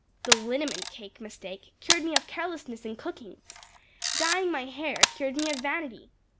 The liniment cake mistake cured me of carelessness in cooking. Dyeing my hair cured me of vanity.